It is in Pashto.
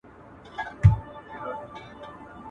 اوښه، هر څه دي بې هوښه.